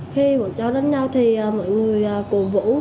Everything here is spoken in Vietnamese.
khi bọn cháu đến nhau thì mọi người cổ vũ